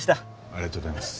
ありがとうございます。